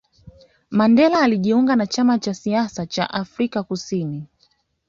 mandela alijiunga na chama cha siasa chaaAfrican kusini